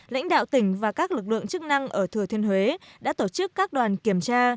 lãnh đạo tỉnh và các lực lượng chức năng ở thừa thiên huế đã tổ chức các đoàn kiểm tra